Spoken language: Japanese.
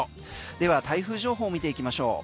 では台風情報を見ていきましょう。